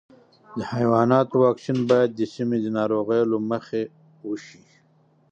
د حیواناتو واکسین باید د سیمې د ناروغیو له مخې وشي.